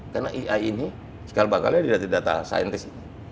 karena ai ini sekali bakalnya didatangi data saintis